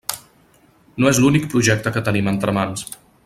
No és l'únic projecte que tenim entre mans.